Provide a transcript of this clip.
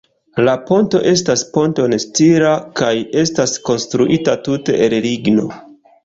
La ponto estas ponton-stila kaj estas konstruita tute el ligno.